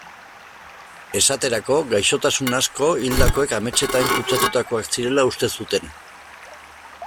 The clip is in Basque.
Esaterako, gaixotasun asko hildakoek ametsetan kutsatutakoak zirela uste zuten.